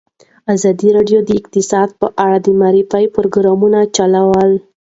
ازادي راډیو د اقتصاد په اړه د معارفې پروګرامونه چلولي.